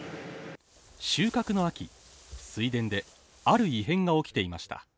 収穫の秋、水田である異変が起きていました。